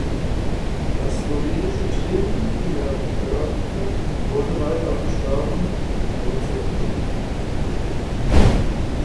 Das slowenische Team, dem er angehörte wurde weit abgeschlagen nur Zehnter.